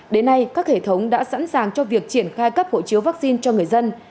đến nay các hệ thống đã sẵn sàng cho việc triển khai cấp hộ chiếu vaccine cho người dân